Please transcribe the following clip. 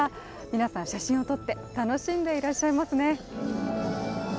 皆さん、写真を撮って楽しんでいらっしゃいますね。